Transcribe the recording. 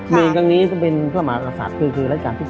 เมนกันนี้เป็นพระมากษัตริย์คือรายการที่๙